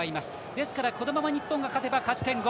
ですから、このまま日本が勝てば勝ち点５。